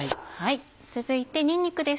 続いてにんにくです。